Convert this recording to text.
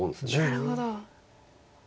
なるほど。